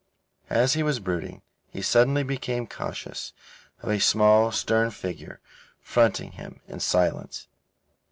As he was brooding, he suddenly became conscious of a small, stern figure, fronting him in silence.